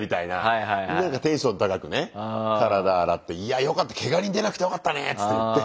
なんかテンション高くね体洗っていやよかったけが人出なくてよかったねっつって言って。